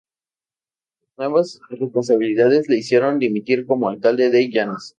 Las nuevas responsabilidades le hicieron dimitir como Alcalde de Llanes.